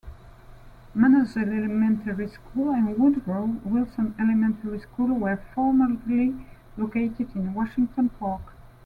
Manners Elementary School and Woodrow Wilson Elementary School were formerly located in Washington Park.